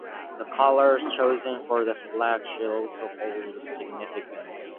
The colors chosen for the flag should also hold significance.